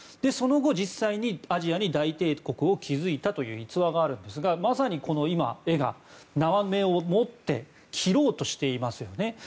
その後実際にアジアに大帝国を築いたという逸話があるんですがまさに今、この絵が縄目を持って切ろうとしていますよね。